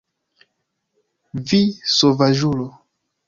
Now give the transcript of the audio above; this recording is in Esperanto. Vi sovaĝulo!